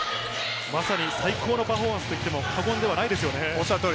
まさに最高のパフォーマンスといっても過言ではないですよね。